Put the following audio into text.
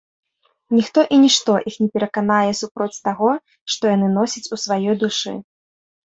Ніхто і нішто іх не пераканае супроць таго, што яны носяць у сваёй душы.